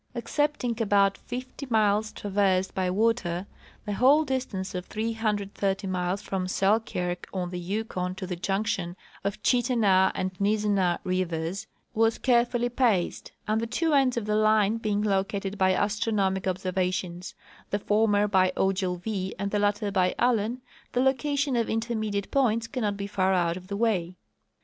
Excepting about fifty miles traversed by water, the whole distance of 330 miles from Selkirk on the Yukon to the junction of Chittenah and Nizzenah rivers was carefully paced ; and the two ends of the line being located by astronomic observations, the former by Ogilvie and the latter by Allen, the location of intermediate points cannot be far out of the way.